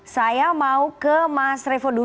saya mau ke mas revo dulu